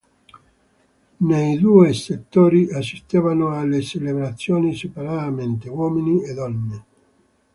Nei due settori assistevano alle celebrazioni separatamente uomini e donne.